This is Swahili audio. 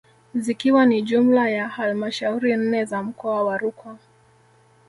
Zikiwa ni jumla ya halmashauri nne za mkoa wa Rukwa